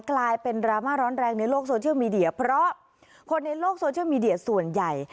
กลายเป็นดราม่าร้อนแรงในโลกโซเชียลมีเดียเพราะคนในโลกโซเชียลมีเดียส่วนใหญ่